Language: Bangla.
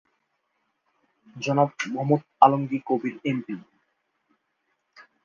জনাব মোহাম্মদ আলমগীর কবির এমপি।